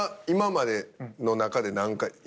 今までの中で何回